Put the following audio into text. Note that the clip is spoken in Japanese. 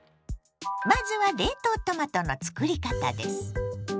まずは冷凍トマトのつくり方です。